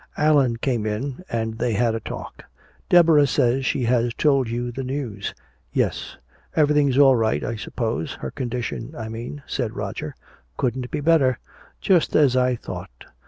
Allan came in and they had a talk. "Deborah says she has told you the news." "Yes. Everything's all right, I suppose her condition, I mean," said Roger. "Couldn't be better." "Just as I thought."